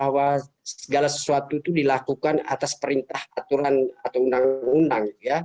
bahwa segala sesuatu itu dilakukan atas perintah aturan atau undang undang